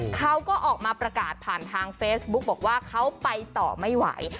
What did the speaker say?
เขาก็ออกมาประกาศผ่านทางเฟซบุ๊กบอกว่าเขาไปต่อไม่ไหว